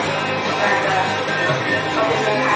สวัสดีครับทุกคน